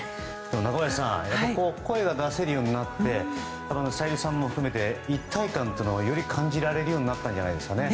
中林さん声が出せるようになってさゆりさんも含めて一体感がより感じられるようになりましたね。